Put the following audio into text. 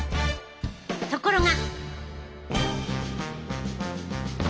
ところが。